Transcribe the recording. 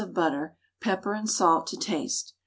of butter, pepper and salt to taste.